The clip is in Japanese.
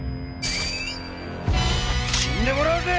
死んでもらうぜ！